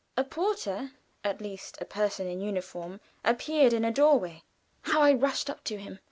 A porter at least a person in uniform, appeared in a door way. How I rushed up to him!